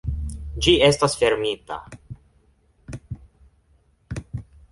Ĝi estis fermita.